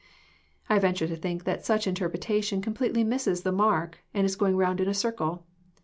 I venture to think that such interpretation completely misses the mark, and is going round in a circle.